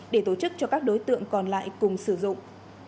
để tổ chức cho các đối tượng còn lại cùng sử dụng